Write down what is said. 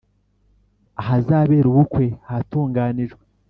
ahazabera ubukwe hatunganijwe